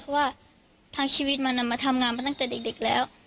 เพราะว่าทั้งชีวิตมันมาทำงานมาตั้งแต่เด็กแล้ว